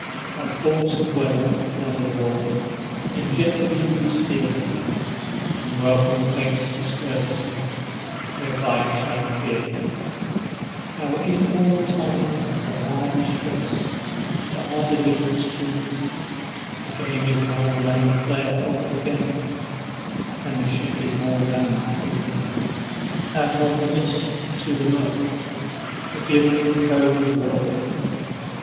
By force of weather not of war In jeopardy we steer, Then welcome Fate's discourtesy Whereby it shall appear, How in all time of our distress, And our deliverance too, The game is more than the player of the game, And the ship is more than the crew. Out of the mist into the mirk The glimmering combers roll.